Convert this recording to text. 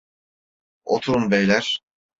Oturun beyler.